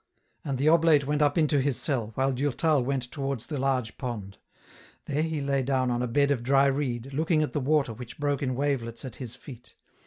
And the oblate went up to his cell, while Durtal went towards the large pond. There he lay down on a bed of dry reed, looking at the water which broke in wavelets at his feet.